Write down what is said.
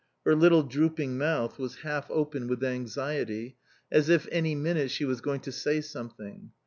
Her little drooping mouth was half open with anxiety, as if any minute she was going to say something.